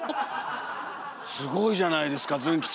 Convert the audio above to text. すごいじゃないですかズン吉！